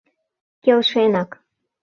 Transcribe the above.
Келшенак